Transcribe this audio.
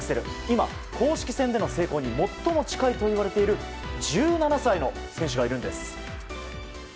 今、公式戦での成功に最も近いといわれている１７歳の選手がいるんです。